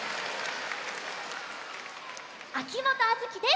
秋元杏月です。